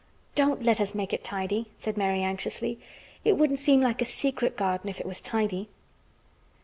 "Don't let us make it tidy," said Mary anxiously. "It wouldn't seem like a secret garden if it was tidy."